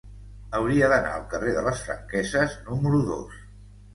Hauria d'anar al carrer de les Franqueses número dos.